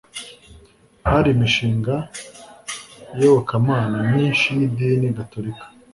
hari imishinga yobokamana myinshi y'idini gatolika